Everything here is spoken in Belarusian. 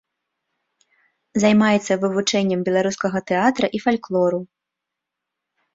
Займаецца вывучэннем беларускага тэатра і фальклору.